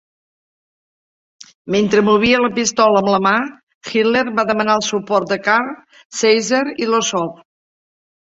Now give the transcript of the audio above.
Mentre movia la pistola amb la mà, Hitler va demanar el suport de Kahr, Seisser i Lossow.